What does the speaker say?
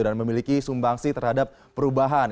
dan memiliki sumbangsi terhadap perubahan